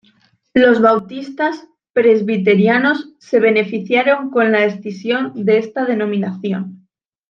Los bautistas presbiterianos se beneficiaron con las escisiones de esta denominación.